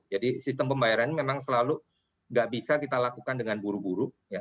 jadi sistem pembayaran ini memang selalu tidak bisa kita lakukan dengan buru buru